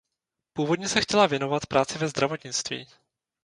Původně se chtěla věnovat práci ve zdravotnictví.